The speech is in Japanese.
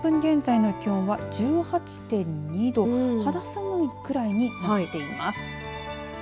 １時４０分現在の気温は１８．２度肌寒いくらいに吹いています。